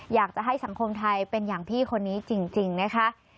อยากจะให้สังคมไทยเป็นอย่างพี่คนนี้จริงนะคะ